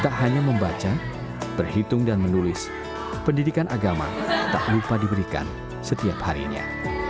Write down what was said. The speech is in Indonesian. tak hanya membaca berhitung dan menulis pendidikan agama tak lupa diberikan setiap harinya